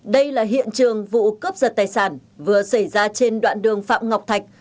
đây là hiện trường vụ cướp giật tài sản vừa xảy ra trên đoạn đường phạm ngọc thạch